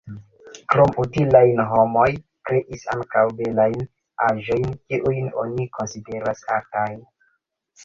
Krom utilajn, homoj kreis ankaŭ belajn aĵojn, kiujn oni konsideras artaj.